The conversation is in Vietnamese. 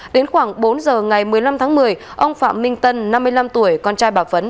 đến khoảng bốn giờ ngày một mươi năm tháng một mươi ông phạm minh tân năm mươi năm tuổi con trai bà phấn